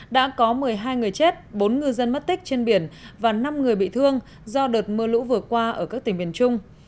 đã có một mươi hai người chết bốn ngư dân mất tích trên biển và năm người bị thương do đợt mưa lũ vừa qua ở các tỉnh miền trung